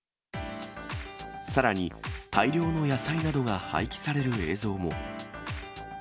さらに、大量の野菜などが廃棄される映像も。